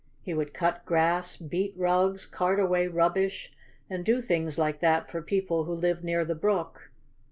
He would cut grass, beat rugs, cart away rubbish, and do things like that for people who lived near the brook.